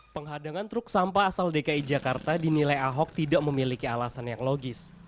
penghadangan truk sampah asal dki jakarta dinilai ahok tidak memiliki alasan yang logis